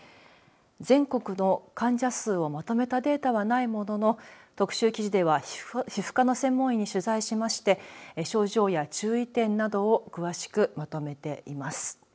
全国の患者数をまとめたデータはないものの特集記事では皮膚科の専門医に取材しまして症状や注意点などを詳しくまとめています。